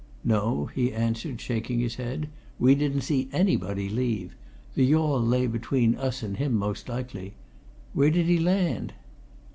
"No," he answered, shaking his head. "We didn't see anybody leave. The yawl lay between us and him most likely. Where did he land?"